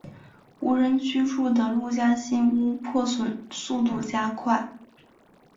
无人居住的陆家新屋破损速度加快。